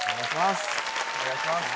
お願いします